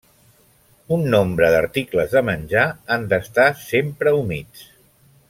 Un nombre d'articles de menjar han d'estar sempre humits.